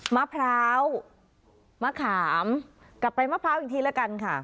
มะพร้าวมะขามกลับไปมะพร้าวอีกทีละกันค่ะ